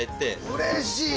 うれしい！